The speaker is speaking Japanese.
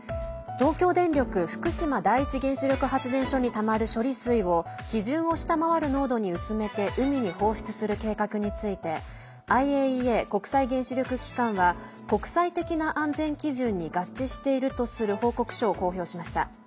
東京電力福島第一原子力発電所にたまる処理水を基準を下回る濃度に薄めて海に放出する計画についてＩＡＥＡ＝国際原子力機関は国際的な安全基準に合致しているとする報告書を公表しました。